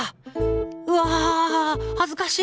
うわぁ恥ずかしい！